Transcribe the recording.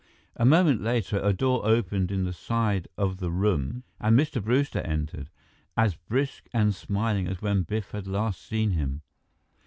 A moment later, a door opened in the side of the room and Mr. Brewster entered, as brisk and smiling as when Biff had last seen him.